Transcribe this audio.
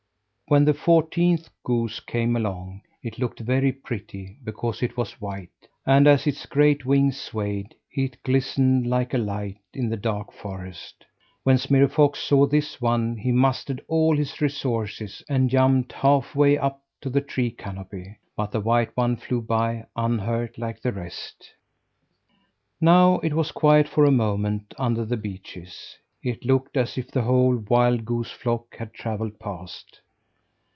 When the fourteenth goose came along, it looked very pretty because it was white. And as its great wings swayed, it glistened like a light, in the dark forest. When Smirre Fox saw this one, he mustered all his resources and jumped half way up to the tree canopy. But the white one flew by unhurt like the rest. Now it was quiet for a moment under the beeches. It looked as if the whole wild goose flock had travelled past.